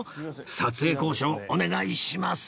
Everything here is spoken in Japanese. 撮影交渉お願いします